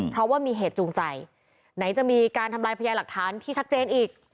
เพราะว่ามีเหตุจูงใจไหนจะมีการทำลายพยาหลักฐานที่ชัดเจนอีก